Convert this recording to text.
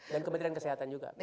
dan kemudian kesehatan juga